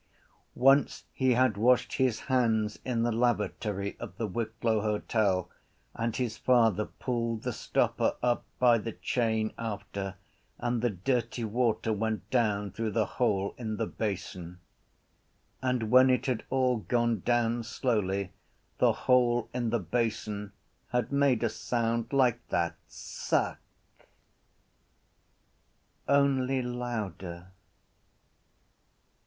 Once he had washed his hands in the lavatory of the Wicklow Hotel and his father pulled the stopper up by the chain after and the dirty water went down through the hole in the basin. And when it had all gone down slowly the hole in the basin had made a sound like that: suck. Only louder.